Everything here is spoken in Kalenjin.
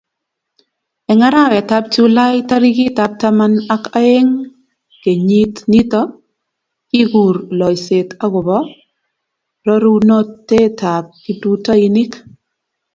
eng' arawetab julai tarikitab taman ak oeng' kenyit nito, kikur loiset akobo rorunotetab kiprutoinik